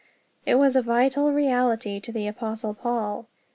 It was a vital reality to the Apostle Paul.